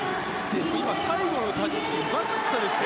最後のタッチうまかったですね。